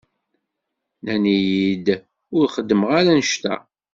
Nnan-iyi-d ur xeddmeɣ ara annect-a.